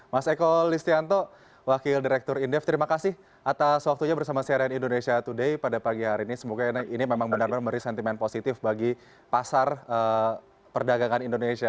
mas eko listianto wakil direktur indef terima kasih atas waktunya bersama cnn indonesia today pada pagi hari ini semoga ini memang benar benar memberi sentimen positif bagi pasar perdagangan indonesia